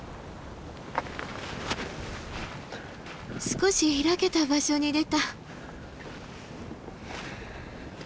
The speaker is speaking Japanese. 少し開けた場所に出た。